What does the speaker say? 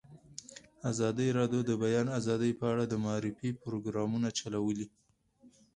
ازادي راډیو د د بیان آزادي په اړه د معارفې پروګرامونه چلولي.